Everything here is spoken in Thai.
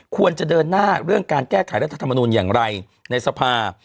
ควรจะเดินหน้าเรื่องการแก้ไขรัฐธรรมนูลอย่างไรในสภา